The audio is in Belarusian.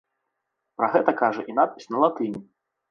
Пра гэта кажа і надпіс на латыні.